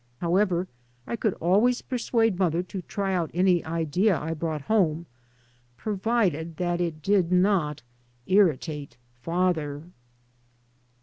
However, I could always persuade mother to try out any idea I brought home, provided that it did not " irritate father."